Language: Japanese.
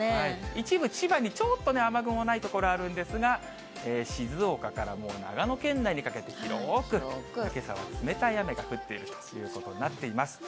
一部千葉にちょっと雨雲がない所があるんですが、静岡からもう長野県内にかけて、広く、けさは冷たい雨が降っているということになっています。